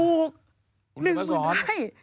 ๑หมื่นไร่